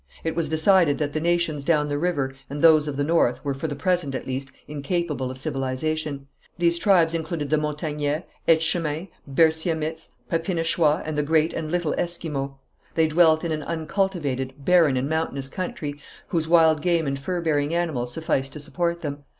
It was decided that the nations down the river and those of the north were, for the present, at least, incapable of civilization. These tribes included the Montagnais, Etchemins, Bersiamites, Papinachois and the great and little Esquimaux. They dwelt in an uncultivated, barren and mountainous country, whose wild game and fur bearing animals sufficed to support them.